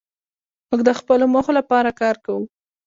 موږ د خپلو موخو لپاره کار کوو.